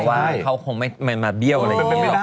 ว่าเขาคงไม่มาเบี้ยวอะไรอย่างนี้หรอก